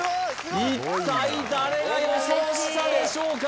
一体誰が予想したでしょうか